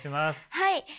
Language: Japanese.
はい。